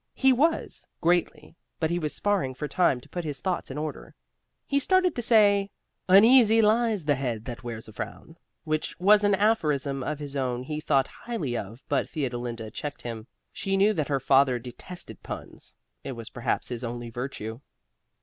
He was, greatly, but he was sparring for time to put his thoughts in order. He started to say "Uneasy lies the head that wears a frown," which was an aphorism of his own he thought highly of, but Theodolinda checked him. She knew that her father detested puns. It was perhaps his only virtue.